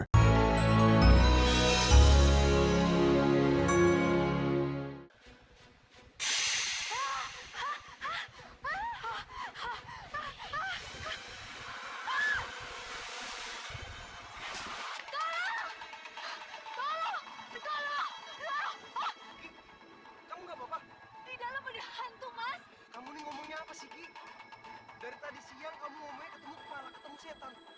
dari tadi siang kamu ngomongnya ketemu kepala ketemu sietan